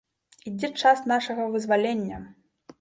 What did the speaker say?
Ідзе час нашага вызвалення!